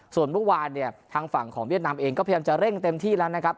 ส่วนเมื่อวานเนี่ยทางฝั่งของเวียดนามเองก็พยายามจะเร่งเต็มที่แล้วนะครับ